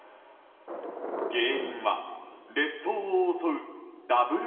原因は列島を襲うダブル